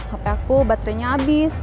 hp aku baterainya abis